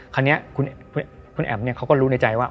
คราวนี้คุณแอ๋มเขาก็รู้ในใจว่า